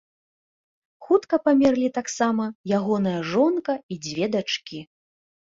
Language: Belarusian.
Хутка памерлі таксама ягоная жонка і дзве дачкі.